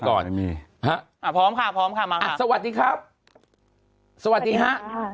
ก่อนมีฮะอ่าพร้อมค่ะพร้อมค่ะมาอ่ะสวัสดีครับสวัสดีฮะ